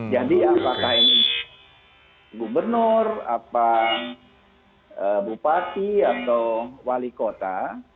jadi apakah ini gubernur bupati atau wali kota